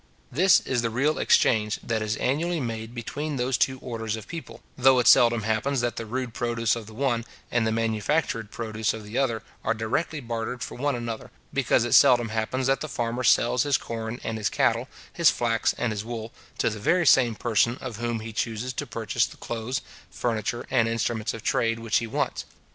This is the real exchange that is annually made between those two orders of people, though it seldom happens that the rude produce of the one, and the manufactured produce of the other, are directly bartered for one another; because it seldom happens that the farmer sells his corn and his cattle, his flax and his wool, to the very same person of whom he chuses to purchase the clothes, furniture, and instruments of trade, which he wants.